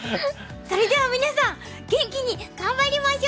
それでは皆さん元気に頑張りましょう！